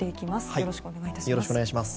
よろしくお願いします。